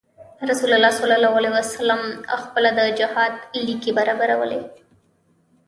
رسول الله صلی علیه وسلم خپله د جهاد ليکې برابرولې.